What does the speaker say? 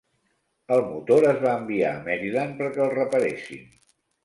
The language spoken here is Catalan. El motor es va enviar a Maryland perquè el reparessin.